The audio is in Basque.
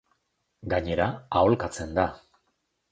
Gainera, aholkatzen da.